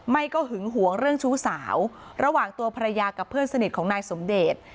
ไม่ก็หึงหวงเรื่องชู้สาวระหว่างตัวภรรยากับเพื่อนสนิทของนายสมเดช